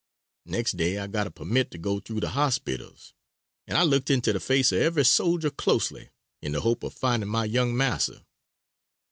Next day I got a permit to go through the hospitals, and I looked into the face of every soldier closely, in the hope of finding my young master.